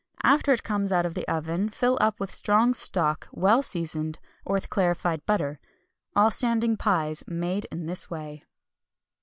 After it comes out of the oven fill up with strong stock, well seasoned, or with clarified butter. All standing pies made in this way.